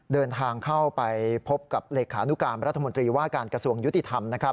เดินทางเข้าไปพบกับเลขานุการรัฐมนตรีว่าการกระทรวงยุติธรรมนะครับ